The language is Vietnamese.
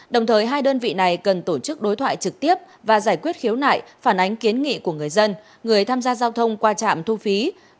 đồng thời hai đơn vị này cần tổ chức đối thoại trực tiếp và giải quyết khiếu nại phản ánh kiến nghị của người dân người tham gia giao thông qua trạm thu phí